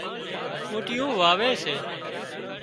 ڦُوٽيون واوي سي